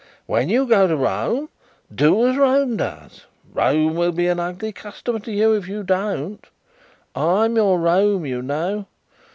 When you go to Rome, do as Rome does. Rome will be a ugly customer to you, if you don't. I'm your Rome, you know."